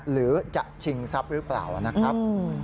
หรือจะชิงทรัพย์หรือเปล่านะครับ